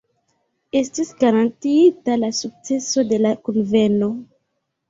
Estis garantiita la sukceso de la Kunveno.